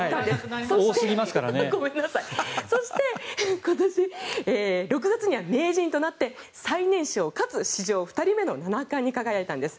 そして、今年６月には名人となって最年少かつ史上２人目の七冠に輝いたんです。